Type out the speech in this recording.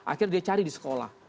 akhirnya dia cari di sekolah